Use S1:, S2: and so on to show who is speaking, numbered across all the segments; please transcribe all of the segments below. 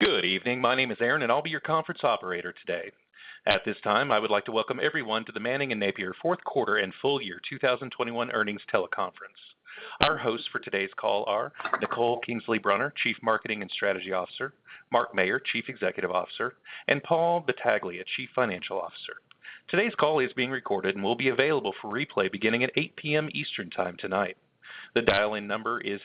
S1: Good evening. My name is Aaron, and I'll be your conference operator today. At this time, I would like to welcome everyone to the Manning & Napier fourth quarter and full year 2021 earnings teleconference. Our hosts for today's call are Nicole Kingsley Brunner, Chief Marketing and Strategy Officer, Marc Mayer, Chief Executive Officer, and Paul Battaglia, Chief Financial Officer. Today's call is being recorded and will be available for replay beginning at 8:00 P.M. eastern time tonight. The dial-in number is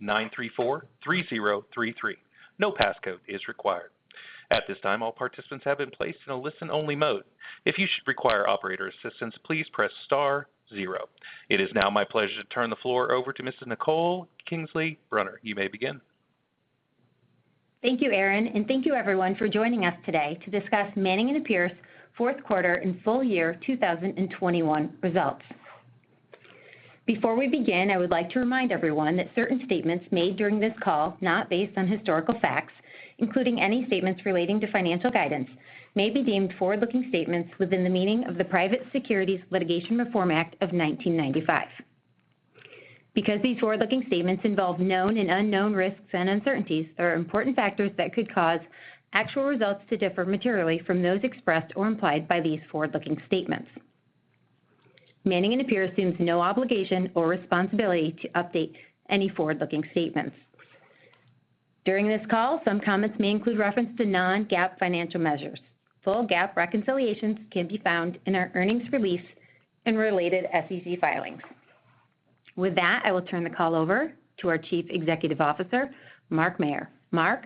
S1: 800-934-3033. No passcode is required. At this time, all participants have been placed in a listen-only mode. If you should require operator assistance, please press star zero. It is now my pleasure to turn the floor over to Ms. Nicole Kingsley Brunner. You may begin.
S2: Thank you, Aaron, and thank you everyone for joining us today to discuss Manning & Napier's fourth quarter and full year 2021 results. Before we begin, I would like to remind everyone that certain statements made during this call that are not based on historical facts, including any statements relating to financial guidance, may be deemed forward-looking statements within the meaning of the Private Securities Litigation Reform Act of 1995. Because these forward-looking statements involve known and unknown risks and uncertainties, there are important factors that could cause actual results to differ materially from those expressed or implied by these forward-looking statements. Manning & Napier assumes no obligation or responsibility to update any forward-looking statements. During this call, some comments may include reference to non-GAAP financial measures. Full GAAP reconciliations can be found in our earnings release and related SEC filings. With that, I will turn the call over to our Chief Executive Officer, Marc Mayer. Marc?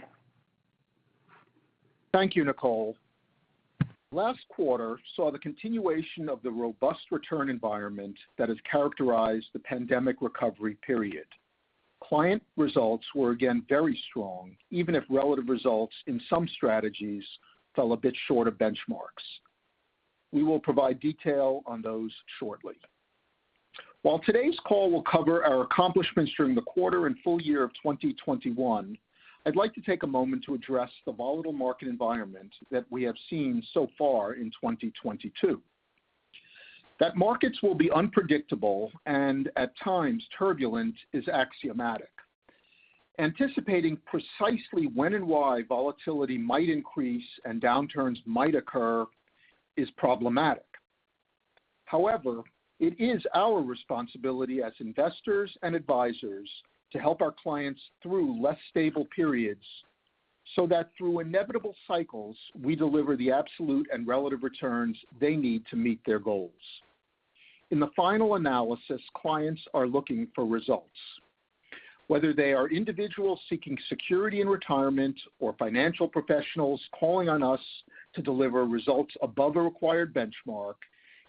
S3: Thank you, Nicole. Last quarter saw the continuation of the robust return environment that has characterized the pandemic recovery period. Client results were again very strong, even if relative results in some strategies fell a bit short of benchmarks. We will provide detail on those shortly. While today's call will cover our accomplishments during the quarter and full year of 2021, I'd like to take a moment to address the volatile market environment that we have seen so far in 2022. That markets will be unpredictable and at times turbulent is axiomatic. Anticipating precisely when and why volatility might increase and downturns might occur is problematic. However, it is our responsibility as investors and advisors to help our clients through less stable periods so that through inevitable cycles, we deliver the absolute and relative returns they need to meet their goals. In the final analysis, clients are looking for results. Whether they are individuals seeking security in retirement or financial professionals calling on us to deliver results above a required benchmark,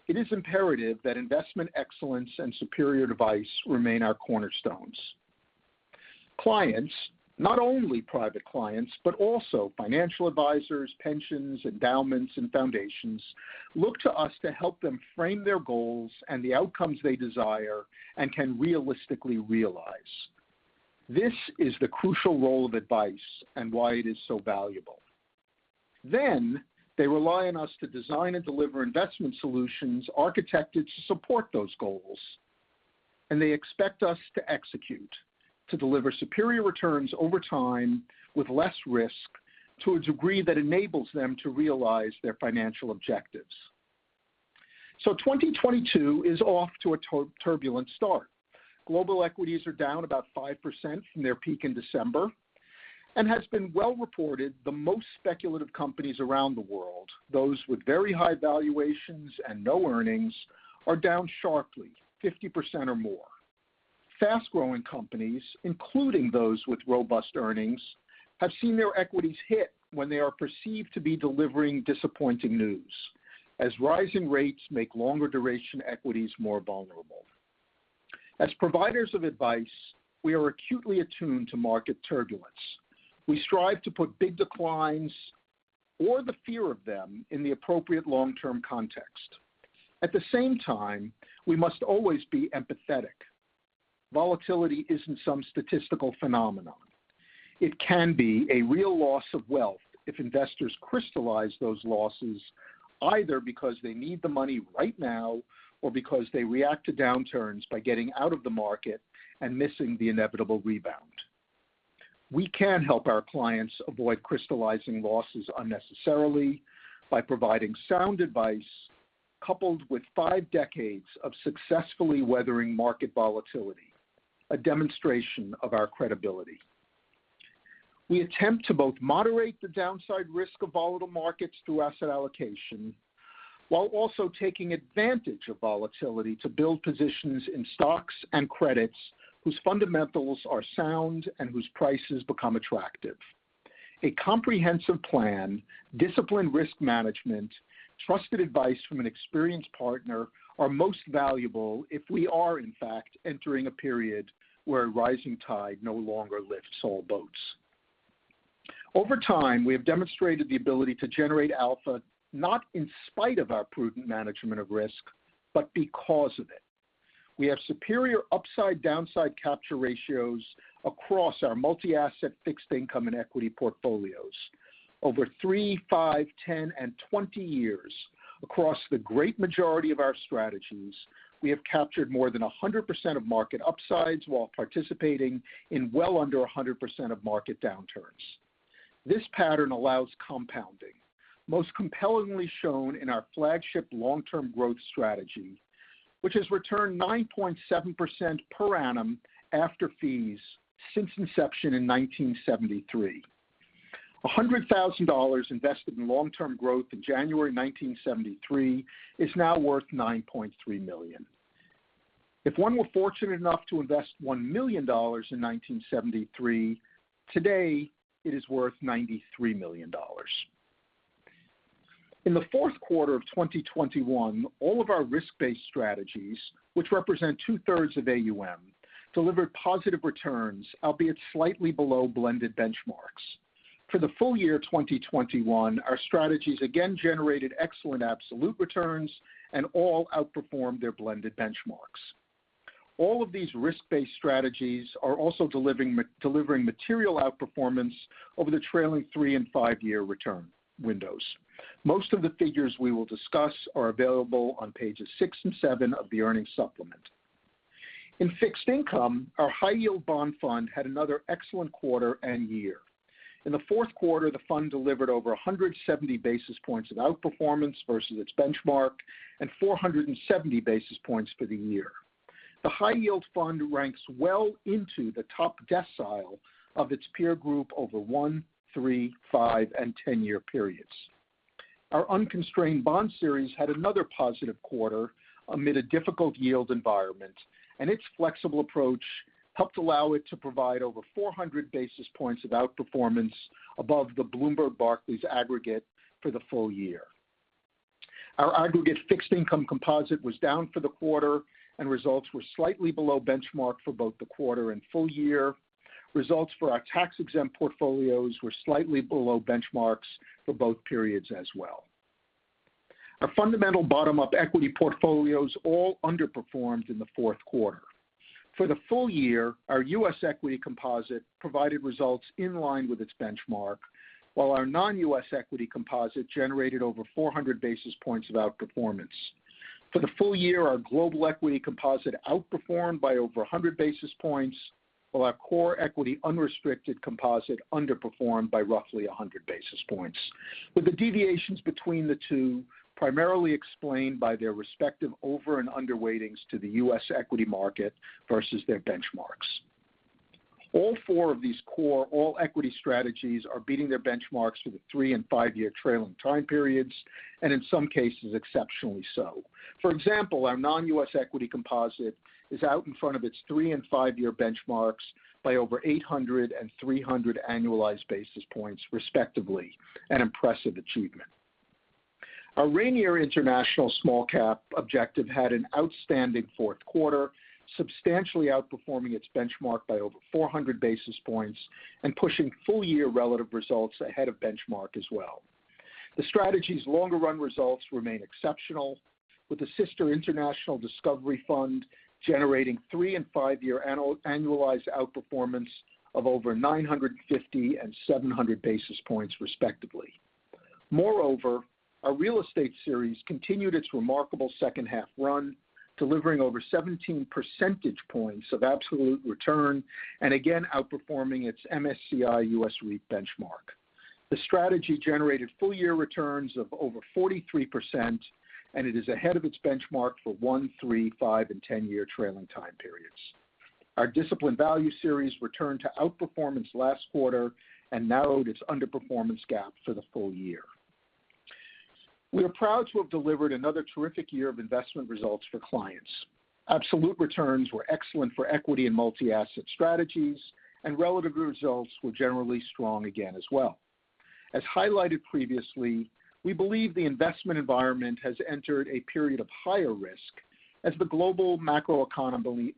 S3: it is imperative that investment excellence and superior advice remain our cornerstones. Clients, not only private clients, but also financial advisors, pensions, endowments, and foundations, look to us to help them frame their goals and the outcomes they desire and can realistically realize. This is the crucial role of advice and why it is so valuable. Then they rely on us to design and deliver investment solutions architected to support those goals, and they expect us to execute, to deliver superior returns over time with less risk to a degree that enables them to realize their financial objectives. 2022 is off to a turbulent start. Global equities are down about 5% from their peak in December, and, as has been well reported, the most speculative companies around the world, those with very high valuations and no earnings, are down sharply 50% or more. Fast-growing companies, including those with robust earnings, have seen their equities hit when they are perceived to be delivering disappointing news as rising rates make longer duration equities more vulnerable. As providers of advice, we are acutely attuned to market turbulence. We strive to put big declines or the fear of them in the appropriate long-term context. At the same time, we must always be empathetic. Volatility isn't some statistical phenomenon. It can be a real loss of wealth if investors crystallize those losses either because they need the money right now or because they react to downturns by getting out of the market and missing the inevitable rebound. We can help our clients avoid crystallizing losses unnecessarily by providing sound advice coupled with five decades of successfully weathering market volatility, a demonstration of our credibility. We attempt to both moderate the downside risk of volatile markets through asset allocation while also taking advantage of volatility to build positions in stocks and credits whose fundamentals are sound and whose prices become attractive. A comprehensive plan, disciplined risk management, trusted advice from an experienced partner are most valuable if we are, in fact, entering a period where a rising tide no longer lifts all boats. Over time, we have demonstrated the ability to generate alpha, not in spite of our prudent management of risk, but because of it. We have superior upside/downside capture ratios across our multi-asset fixed income and equity portfolios. Over three, five, 10, and 20 years across the great majority of our strategies, we have captured more than 100% of market upsides while participating in well under 100% of market downturns. This pattern allows compounding, most compellingly shown in our flagship Long-Term Growth strategy, which has returned 9.7% per annum after fees since inception in 1973. $100,000 invested in Long-Term Growth in January 1973 is now worth $9.3 million. If one were fortunate enough to invest $1 million in 1973, today it is worth $93 million. In the fourth quarter of 2021, all of our risk-based strategies, which represent 2/3 of AUM, delivered positive returns, albeit slightly below blended benchmarks. For the full year 2021, our strategies again generated excellent absolute returns and all outperformed their blended benchmarks. All of these risk-based strategies are also delivering material outperformance over the trailing three and five-year return windows. Most of the figures we will discuss are available on pages six and seven of the earnings supplement. In fixed income, our high-yield bond fund had another excellent quarter and year. In the fourth quarter, the fund delivered over 170 basis points of outperformance versus its benchmark and 470 basis points for the year. The high-yield fund ranks well into the top decile of its peer group over one, three, five, and 10-year periods. Our Unconstrained Bond Series had another positive quarter amid a difficult yield environment, and its flexible approach helped allow it to provide over 400 basis points of outperformance above the Bloomberg Barclays Aggregate for the full year. Our Aggregate Fixed Income Composite was down for the quarter, and results were slightly below benchmark for both the quarter and full year. Results for our tax-exempt portfolios were slightly below benchmarks for both periods as well. Our fundamental bottom-up equity portfolios all underperformed in the fourth quarter. For the full year, our U.S. Equity Composite provided results in line with its benchmark, while our Non-U.S. Equity Composite generated over 400 basis points of outperformance. For the full year, our Global Equity Composite outperformed by over 100 basis points, while our Core Equity – Unrestricted Composite underperformed by roughly 100 basis points, with the deviations between the two primarily explained by their respective over- and underweighting's to the U.S. equity market versus their benchmarks. All four of these core all-equity strategies are beating their benchmarks for the three and five-year trailing time periods, and in some cases, exceptionally so. For example, our Non-U.S. Equity Composite is out in front of its three and five-year benchmarks by over 800 and 300 annualized basis points, respectively, an impressive achievement. Our Rainier International Small Cap objective had an outstanding fourth quarter, substantially outperforming its benchmark by over 400 basis points and pushing full-year relative results ahead of benchmark as well. The strategy's longer-run results remain exceptional, with the sister International Discovery Fund generating three and five-year annualized outperformance of over 950 basis points and 700 basis points, respectively. Moreover, our Real Estate Series continued its remarkable second-half run, delivering over 17 percentage points of absolute return and again outperforming its MSCI U.S. REIT benchmark. The strategy generated full-year returns of over 43%, and it is ahead of its benchmark for one, three, five, and 10-year trailing time periods. Our Disciplined Value Series returned to outperformance last quarter and narrowed its underperformance gap for the full year. We are proud to have delivered another terrific year of investment results for clients. Absolute returns were excellent for equity and multi-asset strategies, and relative results were generally strong again as well. As highlighted previously, we believe the investment environment has entered a period of higher risk as the global macroeconomy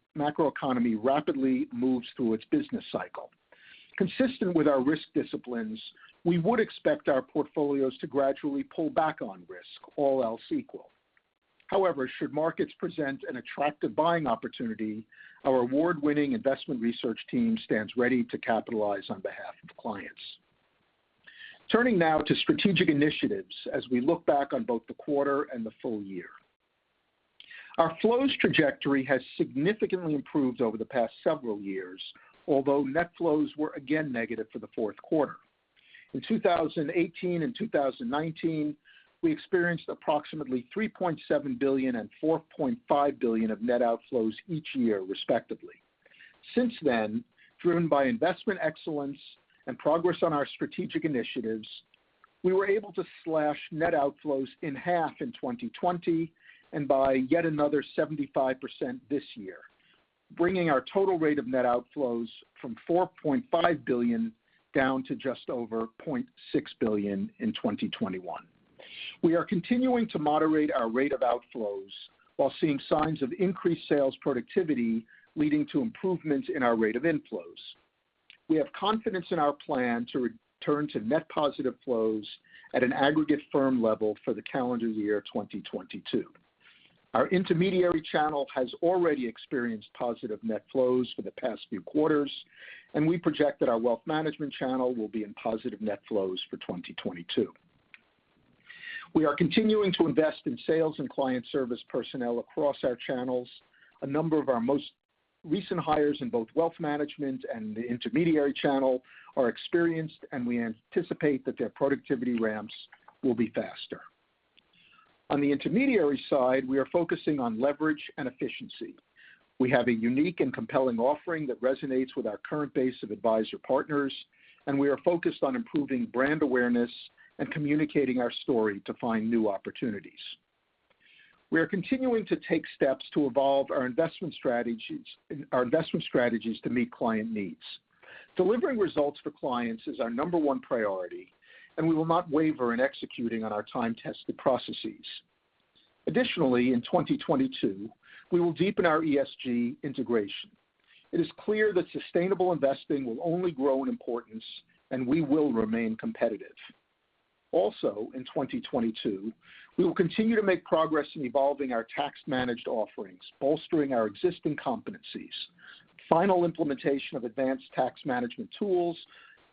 S3: rapidly moves through its business cycle. Consistent with our risk disciplines, we would expect our portfolios to gradually pull back on risk, all else equal. However, should markets present an attractive buying opportunity, our award-winning investment research team stands ready to capitalize on behalf of clients. Turning now to strategic initiatives as we look back on both the quarter and the full year. Our flows trajectory has significantly improved over the past several years, although net flows were again negative for the fourth quarter. In 2018 and 2019, we experienced approximately $3.7 billion and $4.5 billion of net outflows each year, respectively. Since then, driven by investment excellence and progress on our strategic initiatives, we were able to slash net outflows in half in 2020 and by yet another 75% this year, bringing our total rate of net outflows from $4.5 billion down to just over $0.6 billion in 2021. We are continuing to moderate our rate of outflows while seeing signs of increased sales productivity leading to improvements in our rate of inflows. We have confidence in our plan to return to net positive flows at an aggregate firm level for the calendar year 2022. Our intermediary channel has already experienced positive net flows for the past few quarters, and we project that our wealth management channel will be in positive net flows for 2022. We are continuing to invest in sales and client service personnel across our channels. A number of our most recent hires in both wealth management and the intermediary channel are experienced, and we anticipate that their productivity ramps will be faster. On the intermediary side, we are focusing on leverage and efficiency. We have a unique and compelling offering that resonates with our current base of advisor partners, and we are focused on improving brand awareness and communicating our story to find new opportunities. We are continuing to take steps to evolve our investment strategies to meet client needs. Delivering results for clients is our number one priority, and we will not waver in executing on our time-tested processes. Additionally, in 2022, we will deepen our ESG integration. It is clear that sustainable investing will only grow in importance, and we will remain competitive. Also, in 2022, we will continue to make progress in evolving our tax-managed offerings, bolstering our existing competencies. Final implementation of advanced tax management tools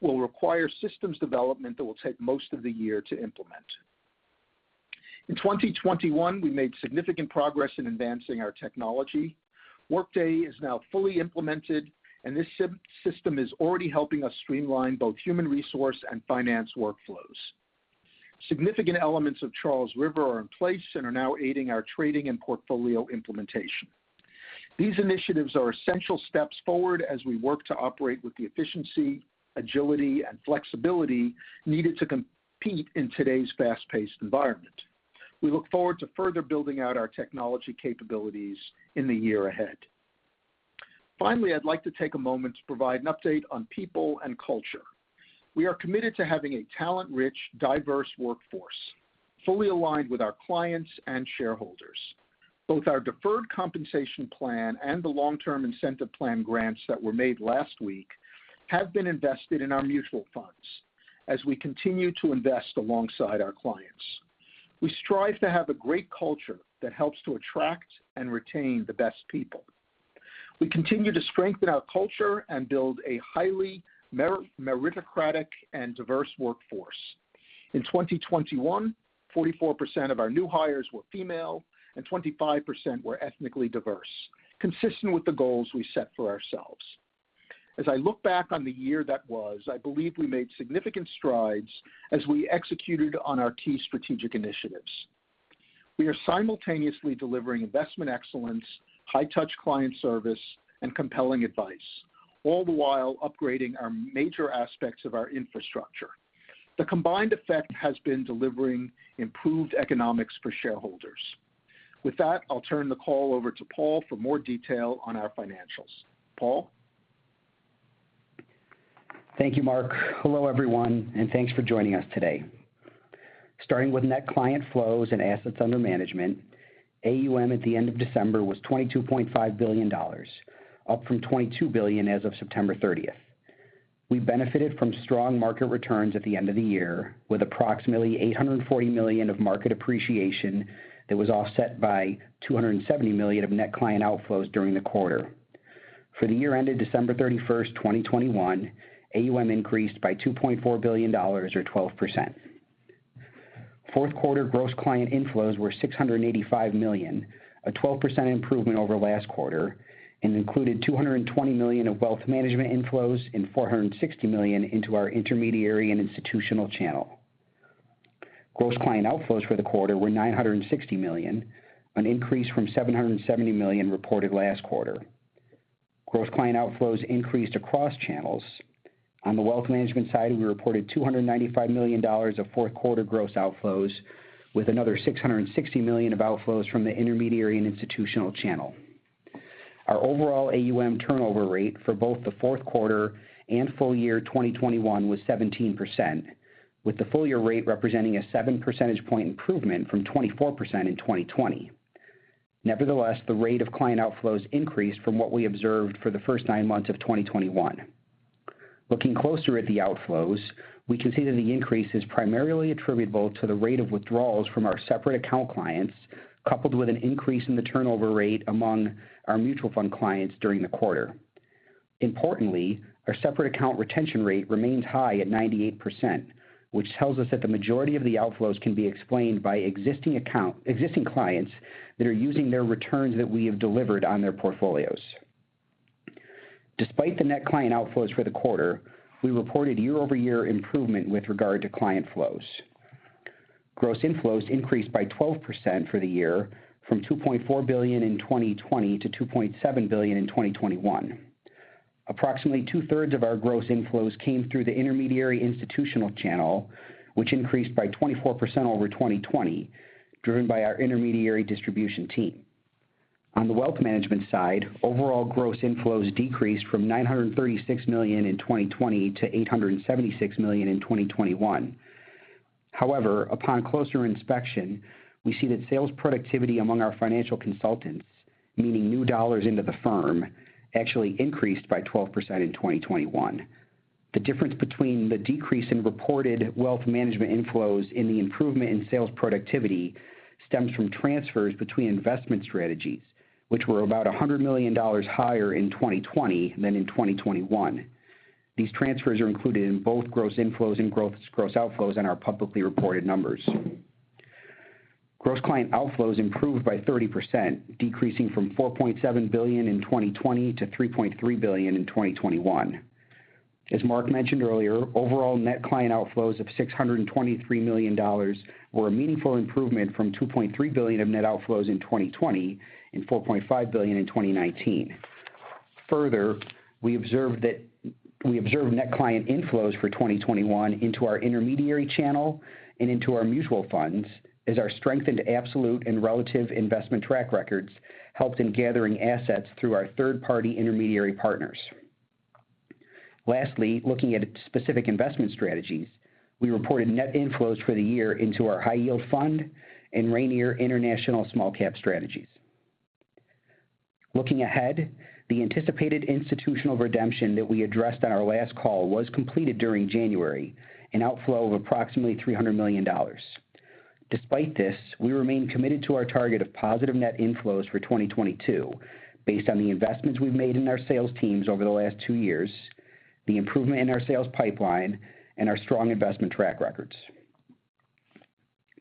S3: will require systems development that will take most of the year to implement. In 2021, we made significant progress in advancing our technology. Workday is now fully implemented, and this system is already helping us streamline both human resource and finance workflows. Significant elements of Charles River are in place and are now aiding our trading and portfolio implementation. These initiatives are essential steps forward as we work to operate with the efficiency, agility, and flexibility needed to compete in today's fast-paced environment. We look forward to further building out our technology capabilities in the year ahead. Finally, I'd like to take a moment to provide an update on people and culture. We are committed to having a talent-rich, diverse workforce, fully aligned with our clients and shareholders. Both our deferred compensation plan and the long-term incentive plan grants that were made last week have been invested in our mutual funds as we continue to invest alongside our clients. We strive to have a great culture that helps to attract and retain the best people. We continue to strengthen our culture and build a highly meritocratic and diverse workforce. In 2021, 44% of our new hires were female and 25% were ethnically diverse, consistent with the goals we set for ourselves. As I look back on the year that was, I believe we made significant strides as we executed on our key strategic initiatives. We are simultaneously delivering investment excellence, high-touch client service, and compelling advice, all the while upgrading our major aspects of our infrastructure. The combined effect has been delivering improved economics for shareholders. With that, I'll turn the call over to Paul for more detail on our financials. Paul?
S4: Thank you, Marc. Hello, everyone, and thanks for joining us today. Starting with net client flows and assets under management, AUM at the end of December was $22.5 billion, up from $22 billion as of September 30th. We benefited from strong market returns at the end of the year, with approximately $840 million of market appreciation that was offset by $270 million of net client outflows during the quarter. For the year ended December 31st, 2021, AUM increased by $2.4 billion or 12%. Fourth quarter gross client inflows were $685 million, a 12% improvement over last quarter, and included $220 million of wealth management inflows and $460 million into our intermediary and institutional channel. Gross client outflows for the quarter were $960 million, an increase from $770 million reported last quarter. Gross client outflows increased across channels. On the wealth management side, we reported $295 million of fourth quarter gross outflows, with another $660 million of outflows from the intermediary and institutional channel. Our overall AUM turnover rate for both the fourth quarter and full year 2021 was 17%, with the full year rate representing a 7 percentage point improvement from 24% in 2020. Nevertheless, the rate of client outflows increased from what we observed for the first nine months of 2021. Looking closer at the outflows, we can see that the increase is primarily attributable to the rate of withdrawals from our separate account clients, coupled with an increase in the turnover rate among our mutual fund clients during the quarter. Importantly, our separate account retention rate remains high at 98%, which tells us that the majority of the outflows can be explained by existing clients that are using their returns that we have delivered on their portfolios. Despite the net client outflows for the quarter, we reported year-over-year improvement with regard to client flows. Gross inflows increased by 12% for the year from $2.4 billion in 2020 to $2.7 billion in 2021. Approximately 2/3 of our gross inflows came through the intermediary institutional channel, which increased by 24% over 2020, driven by our intermediary distribution team. On the wealth management side, overall gross inflows decreased from $936 million in 2020 to $876 million in 2021. However, upon closer inspection, we see that sales productivity among our financial consultants, meaning new dollars into the firm, actually increased by 12% in 2021. The difference between the decrease in reported wealth management inflows and the improvement in sales productivity stems from transfers between investment strategies, which were about $100 million higher in 2020 than in 2021. These transfers are included in both gross inflows and gross outflows in our publicly reported numbers. Gross client outflows improved by 30%, decreasing from $4.7 billion in 2020 to $3.3 billion in 2021. As Marc mentioned earlier, overall net client outflows of $623 million were a meaningful improvement from $2.3 billion of net outflows in 2020 and $4.5 billion in 2019. We observed net client inflows for 2021 into our intermediary channel and into our mutual funds as our strengthened absolute and relative investment track records helped in gathering assets through our third-party intermediary partners. Looking at specific investment strategies, we reported net inflows for the year into our High-Yield Fund and Rainier International Small Cap strategy. Looking ahead, the anticipated institutional redemption that we addressed on our last call was completed during January, an outflow of approximately $300 million. Despite this, we remain committed to our target of positive net inflows for 2022 based on the investments we've made in our sales teams over the last two years, the improvement in our sales pipeline, and our strong investment track records.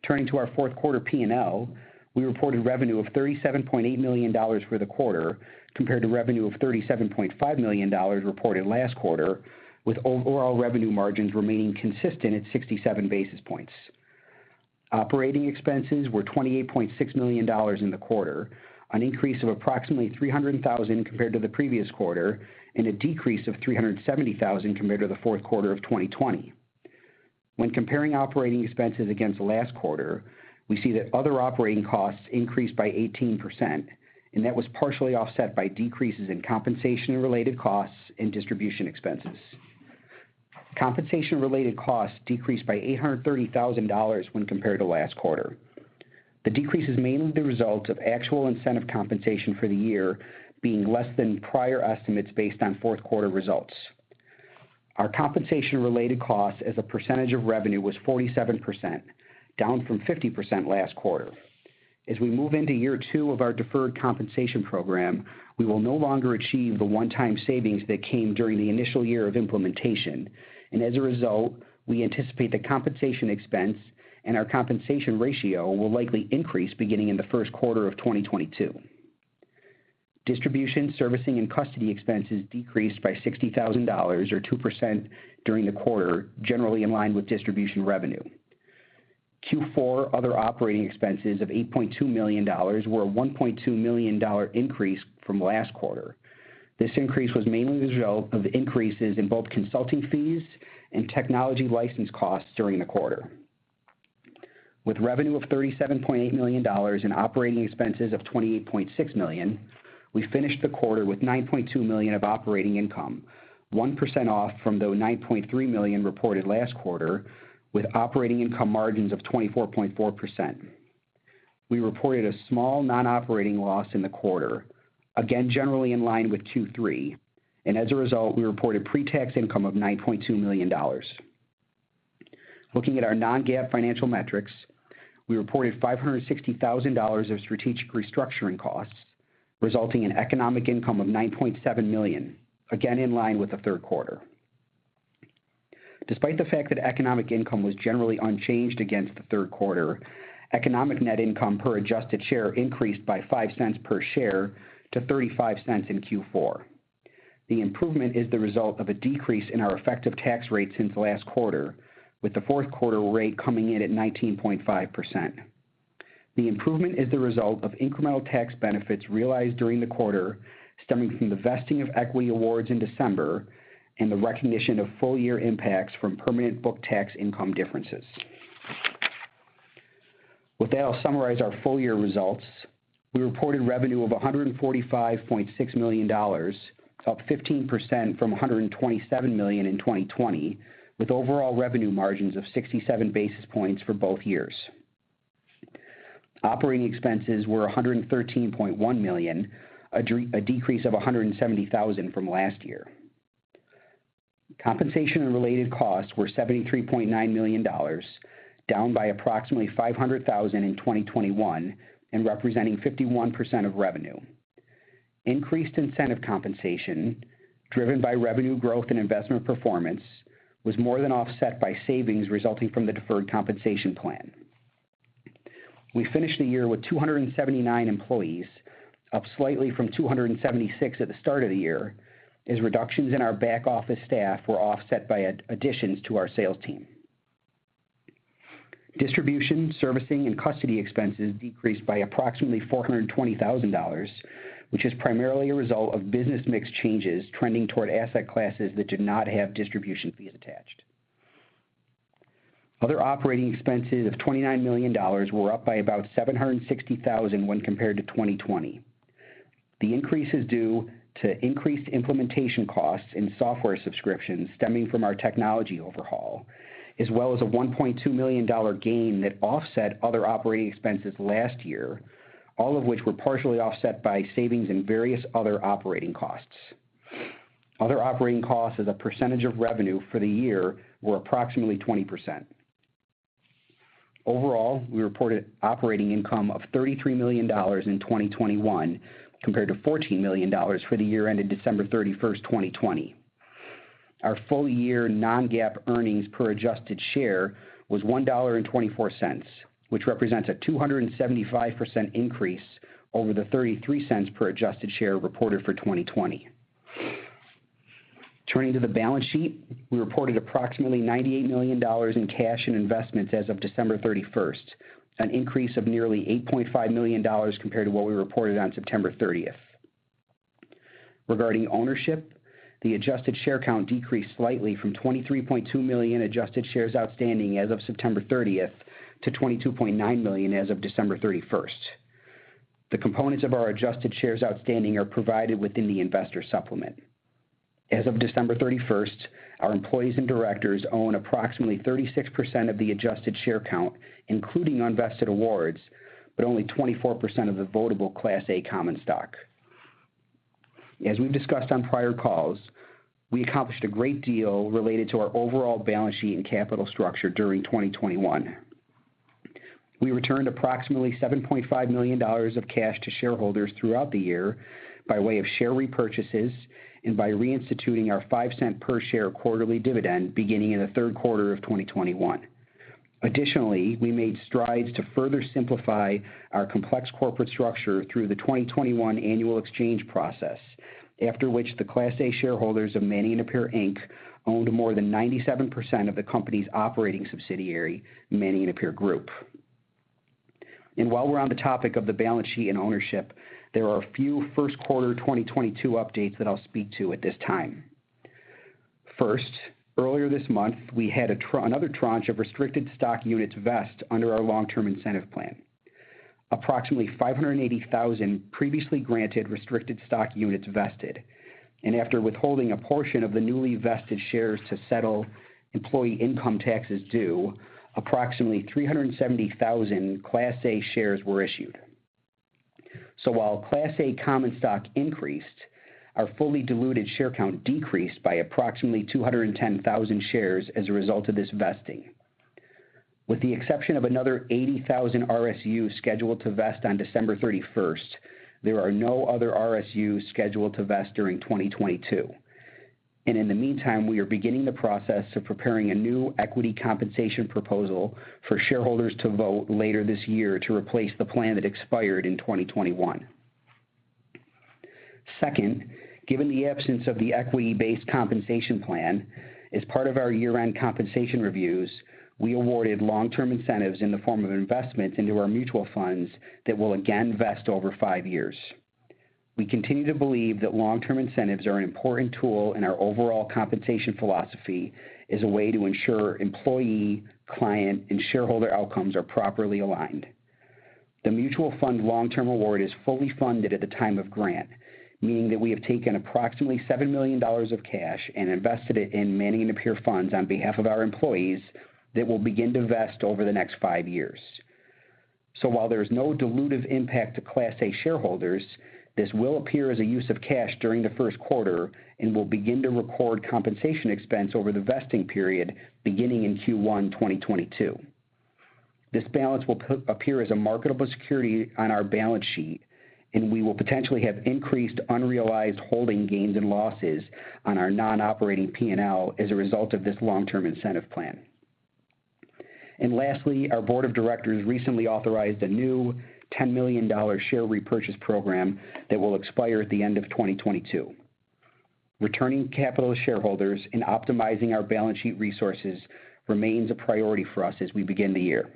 S4: Turning to our fourth quarter P&L, we reported revenue of $37.8 million for the quarter, compared to revenue of $37.5 million reported last quarter, with overall revenue margins remaining consistent at 67 basis points. Operating expenses were $28.6 million in the quarter, an increase of approximately $300,000 compared to the previous quarter, and a decrease of $370,000 compared to the fourth quarter of 2020. When comparing operating expenses against last quarter, we see that other operating costs increased by 18%, and that was partially offset by decreases in compensation-related costs and distribution expenses. Compensation-related costs decreased by $830,000 when compared to last quarter. The decrease is mainly the result of actual incentive compensation for the year being less than prior estimates based on fourth quarter results. Our compensation-related costs as a percentage of revenue was 47%, down from 50% last quarter. As we move into year two of our deferred compensation program, we will no longer achieve the one-time savings that came during the initial year of implementation. As a result, we anticipate the compensation expense and our compensation ratio will likely increase beginning in the first quarter of 2022. Distribution, servicing, and custody expenses decreased by $60,000 or 2% during the quarter, generally in line with distribution revenue. Q4 other operating expenses of $8.2 million were a $1.2 million increase from last quarter. This increase was mainly the result of increases in both consulting fees and technology license costs during the quarter. With revenue of $37.8 million and operating expenses of $28.6 million, we finished the quarter with $9.2 million of operating income, 1% off from the $9.3 million reported last quarter, with operating income margins of 24.4%. We reported a small non-operating loss in the quarter, again, generally in line with Q3. As a result, we reported pre-tax income of $9.2 million. Looking at our non-GAAP financial metrics, we reported $560,000 of strategic restructuring costs, resulting in economic income of $9.7 million, again in line with the third quarter. Despite the fact that economic income was generally unchanged against the third quarter, economic net income per adjusted share increased by $0.05 per share to $0.35 in Q4. The improvement is the result of a decrease in our effective tax rate since last quarter, with the fourth quarter rate coming in at 19.5%. The improvement is the result of incremental tax benefits realized during the quarter, stemming from the vesting of equity awards in December and the recognition of full-year impacts from permanent book tax income differences. With that, I'll summarize our full year results. We reported revenue of $145.6 million, up 15% from $127 million in 2020, with overall revenue margins of 67 basis points for both years. Operating expenses were $113.1 million, a decrease of $170,000 from last year. Compensation and related costs were $73.9 million, down by approximately $500,000 in 2021 and representing 51% of revenue. Increased incentive compensation, driven by revenue growth and investment performance, was more than offset by savings resulting from the deferred compensation plan. We finished the year with 279 employees, up slightly from 276 at the start of the year, as reductions in our back office staff were offset by additions to our sales team. Distribution, servicing, and custody expenses decreased by approximately $420,000, which is primarily a result of business mix changes trending toward asset classes that did not have distribution fees attached. Other operating expenses of $29 million were up by about $760,000 when compared to 2020. The increase is due to increased implementation costs in software subscriptions stemming from our technology overhaul, as well as a $1.2 million gain that offset other operating expenses last year, all of which were partially offset by savings in various other operating costs. Other operating costs as a percentage of revenue for the year were approximately 20%. Overall, we reported operating income of $33 million in 2021 compared to $14 million for the year ended December 31st, 2020. Our full year non-GAAP earnings per adjusted share was $1.24, which represents a 275% increase over the $0.33 per adjusted share reported for 2020. Turning to the balance sheet. We reported approximately $98 million in cash and investments as of December 31st, an increase of nearly $8.5 million compared to what we reported on September 30th. Regarding ownership, the adjusted share count decreased slightly from 23.2 million adjusted shares outstanding as of September 30th to 22.9 million as of December 31st. The components of our adjusted shares outstanding are provided within the investor supplement. As of December 31st, our employees and directors own approximately 36% of the adjusted share count, including unvested awards, but only 24% of the votable Class A common stock. As we've discussed on prior calls, we accomplished a great deal related to our overall balance sheet and capital structure during 2021. We returned approximately $7.5 million of cash to shareholders throughout the year by way of share repurchases and by reinstituting our $0.05 per share quarterly dividend beginning in the third quarter of 2021. Additionally, we made strides to further simplify our complex corporate structure through the 2021 annual exchange process, after which the Class A shareholders of Manning & Napier, Inc. owned more than 97% of the company's operating subsidiary, Manning & Napier Group. While we're on the topic of the balance sheet and ownership, there are a few first quarter 2022 updates that I'll speak to at this time. First, earlier this month, we had another tranche of restricted stock units vest under our long-term incentive plan. Approximately 580,000 previously granted restricted stock units vested. After withholding a portion of the newly vested shares to settle employee income taxes due, approximately 370,000 Class A shares were issued. While Class A common stock increased, our fully diluted share count decreased by approximately 210,000 shares as a result of this vesting. With the exception of another 80,000 RSU scheduled to vest on December 31st, there are no other RSU scheduled to vest during 2022. In the meantime, we are beginning the process of preparing a new equity compensation proposal for shareholders to vote later this year to replace the plan that expired in 2021. Second, given the absence of the equity-based compensation plan, as part of our year-end compensation reviews, we awarded long-term incentives in the form of investments into our mutual funds that will again vest over five years. We continue to believe that long-term incentives are an important tool, and our overall compensation philosophy is a way to ensure employee, client, and shareholder outcomes are properly aligned. The mutual fund long-term award is fully funded at the time of grant, meaning that we have taken approximately $7 million of cash and invested it in Manning & Napier funds on behalf of our employees that will begin to vest over the next five years. While there is no dilutive impact to Class A shareholders, this will appear as a use of cash during the first quarter and will begin to record compensation expense over the vesting period beginning in Q1 2022. This balance will appear as a marketable security on our balance sheet, and we will potentially have increased unrealized holding gains and losses on our non-operating P&L as a result of this long-term incentive plan. Lastly, our board of directors recently authorized a new $10 million share repurchase program that will expire at the end of 2022. Returning capital to shareholders and optimizing our balance sheet resources remains a priority for us as we begin the year.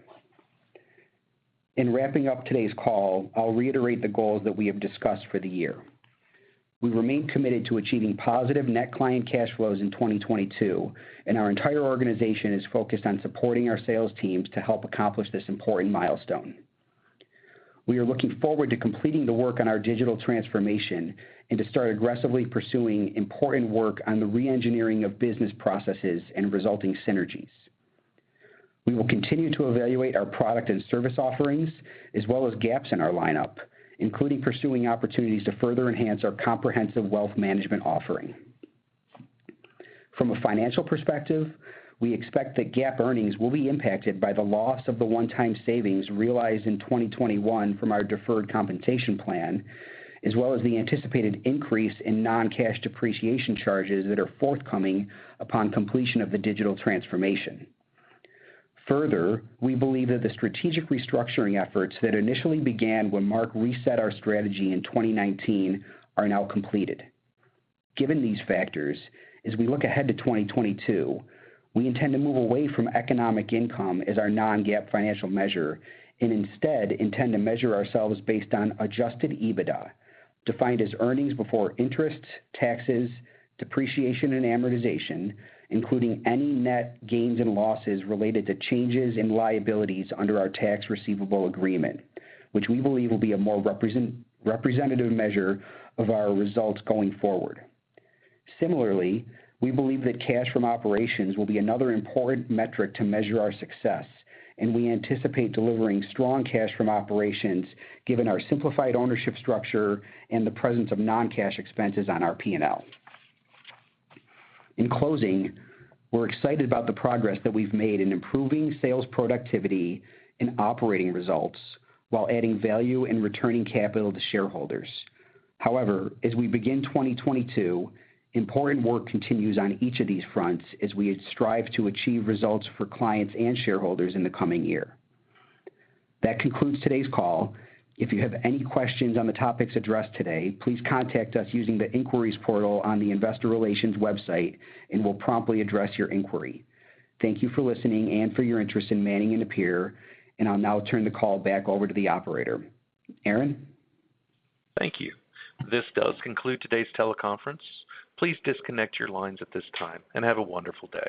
S4: In wrapping up today's call, I'll reiterate the goals that we have discussed for the year. We remain committed to achieving positive net client cash flows in 2022, and our entire organization is focused on supporting our sales teams to help accomplish this important milestone. We are looking forward to completing the work on our digital transformation and to start aggressively pursuing important work on the re-engineering of business processes and resulting synergies. We will continue to evaluate our product and service offerings, as well as gaps in our lineup, including pursuing opportunities to further enhance our comprehensive wealth management offering. From a financial perspective, we expect that GAAP earnings will be impacted by the loss of the one-time savings realized in 2021 from our deferred compensation plan, as well as the anticipated increase in non-cash depreciation charges that are forthcoming upon completion of the digital transformation. Further, we believe that the strategic restructuring efforts that initially began when Marc reset our strategy in 2019 are now completed. Given these factors, as we look ahead to 2022, we intend to move away from economic income as our non-GAAP financial measure and instead intend to measure ourselves based on adjusted EBITDA, defined as earnings before interest, taxes, depreciation, and amortization, including any net gains and losses related to changes in liabilities under our Tax Receivable Agreement, which we believe will be a more representative measure of our results going forward. Similarly, we believe that cash from operations will be another important metric to measure our success, and we anticipate delivering strong cash from operations given our simplified ownership structure and the presence of non-cash expenses on our P&L. In closing, we're excited about the progress that we've made in improving sales productivity and operating results while adding value and returning capital to shareholders. However, as we begin 2022, important work continues on each of these fronts as we strive to achieve results for clients and shareholders in the coming year. That concludes today's call. If you have any questions on the topics addressed today, please contact us using the inquiries portal on the investor relations website, and we'll promptly address your inquiry. Thank you for listening and for your interest in Manning & Napier, and I'll now turn the call back over to the operator. Aaron?
S1: Thank you. This does conclude today's teleconference. Please disconnect your lines at this time, and have a wonderful day.